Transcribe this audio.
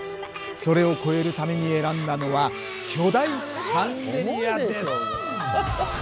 それを超えるために選んだのは巨大シャンデリアです！